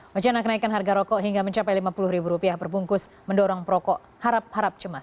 wacana kenaikan harga rokok hingga mencapai lima puluh ribu rupiah perbungkus mendorong perokok harap harap cemas